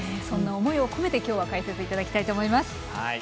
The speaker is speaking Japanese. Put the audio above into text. そんな思いを込めてきょうは解説いただきたいと思います。